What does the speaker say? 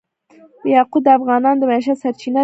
یاقوت د افغانانو د معیشت سرچینه ده.